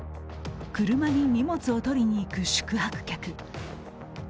車に荷物を取りに行く宿泊客。